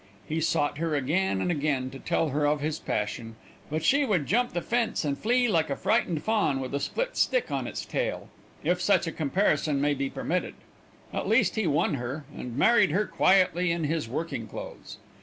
He sought her again and again to tell her of his passion, but she would jump the fence and flee like a frightened fawn with a split stick on its tail, if such a comparison may be permitted. At last he won her, and married her quietly in his working clothes.